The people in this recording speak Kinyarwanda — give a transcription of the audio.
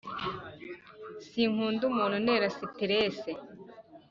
Sinkunda umuntu unera siterese